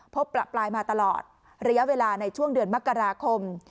ประปรายมาตลอดระยะเวลาในช่วงเดือนมกราคม